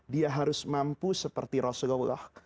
dia harus mampu seperti rasulullah